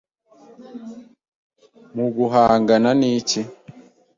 mu guhangana n’iki